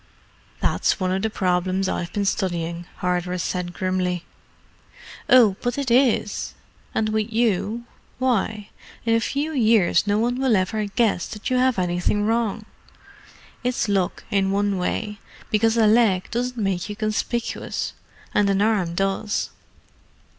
"That's one of the problems I've been studying," Hardress said grimly. "Oh, but it is. And with you—why, in a few years no one will ever guess that you have anything wrong. It's luck in one way, because a leg doesn't make you conspicuous, and an arm does."